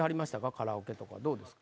カラオケとかどうですか？